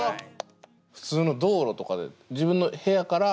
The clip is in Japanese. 普通の道路とかで自分の部屋から？